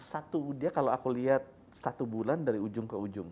satu dia kalau aku lihat satu bulan dari ujung ke ujung